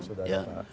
sudah ada pak